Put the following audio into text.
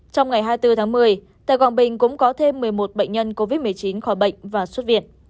trong ngày hai mươi bốn tháng một mươi tại quảng bình cũng có thêm một mươi một bệnh nhân covid một mươi chín khỏi bệnh và xuất viện